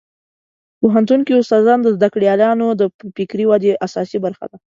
په پوهنتون کې استادان د زده کړیالانو د فکري ودې اساسي برخه ده.